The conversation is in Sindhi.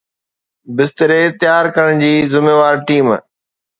بستري تيار ڪرڻ جي ذميوار ٽيم